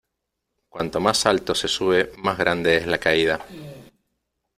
Cuanto más alto se sube más grande es la caída.